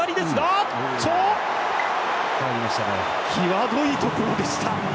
際どいところでした。